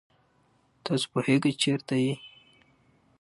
تاسو پوهېږئ چېرته یئ؟